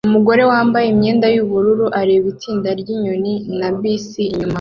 Umugore wambaye imyenda yubururu areba itsinda ryinyoni na bisi inyuma